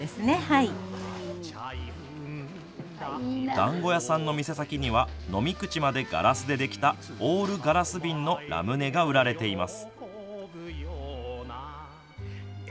だんご屋さんの店先には飲み口までガラスでできたオールガラス瓶のラムネが売られています。